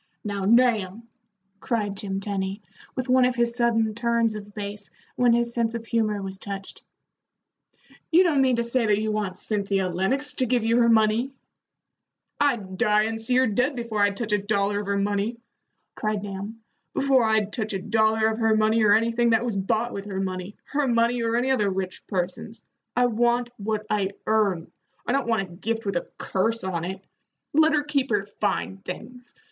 "Now, Nahum," cried Jim Tenny, with one of his sudden turns of base when his sense of humor was touched, "you don't mean to say that you want Cynthia Lennox to give you her money?" "I'd die, and see her dead, before I'd touch a dollar of her money!" cried Nahum "before I'd touch a dollar of her money or anything that was bought with her money, her money or any other rich person's. I want what I earn. I don't want a gift with a curse on it. Let her keep her fine things.